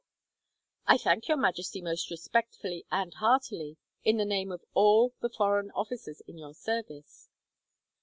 "I thank Your Majesty, most respectfully and heartily, in the name of all the foreign officers in your service.